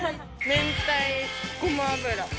明太ごま油？